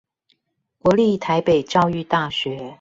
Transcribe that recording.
國立臺北教育大學